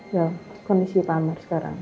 yuk kondisi pak amar sekarang